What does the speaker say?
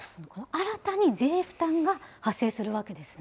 新たに税負担が発生するわけですね。